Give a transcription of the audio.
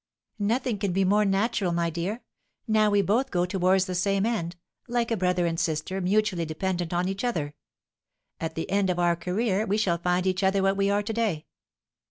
"Nothing can be more natural, my dear. Now we both go towards the same end, like a brother and sister, mutually dependent on each other; at the end of our career we shall find each other what we are to day.